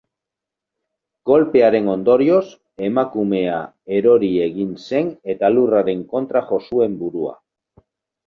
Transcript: Kolpearen ondorioz, emakumea erori egin zen eta lurraren kontra jo zuen burua.